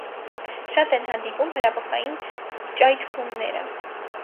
Շատ են հանդիպում հրաբխային ճայթքումները։